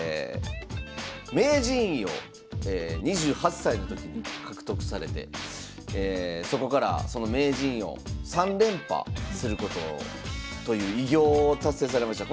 名人位を２８歳の時に獲得されてそこからその名人を３連覇することをという偉業を達成されました。